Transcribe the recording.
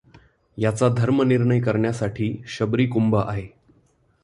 ह्याचा धर्मनिर्णय करण्यासाठी शबरी कुंभ आहे.